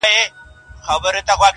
انساني وجدان ګډوډ پاتې کيږي تل,